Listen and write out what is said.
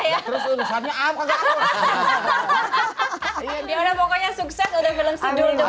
ya udah pokoknya sukses